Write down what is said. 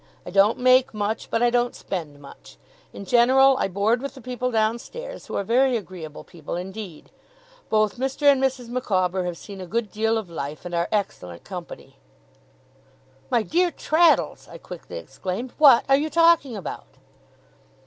I don't make much, but I don't spend much. In general, I board with the people downstairs, who are very agreeable people indeed. Both Mr. and Mrs. Micawber have seen a good deal of life, and are excellent company.' 'My dear Traddles!' I quickly exclaimed. 'What are you talking about?